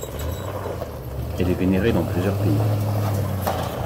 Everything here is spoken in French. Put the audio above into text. Elle est vénérée dans plusieurs pays.